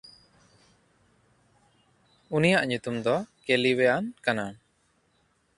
ᱩᱱᱤᱭᱟᱜ ᱧᱩᱛᱩᱢ ᱫᱚ ᱠᱮᱞᱤᱣᱮᱼᱟᱱ ᱠᱟᱱᱟ᱾